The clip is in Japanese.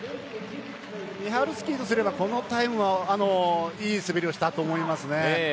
ミハルスキーとすればこのタイムはいい滑りをしたと思います。